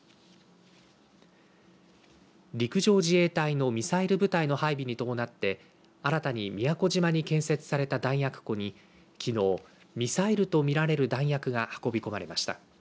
陸上自衛隊のミサイル部隊の配備に伴って新たに宮古島に建設された弾薬庫にきのう、ミサイルとみられる弾薬が運び込まれました。